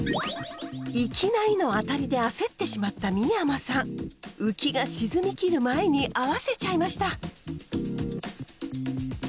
いきなりのアタリであせってしまった三山さんウキが沈みきる前に合わせちゃいました。